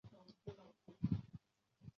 主要人口是阿斯特拉罕鞑靼人与诺盖人。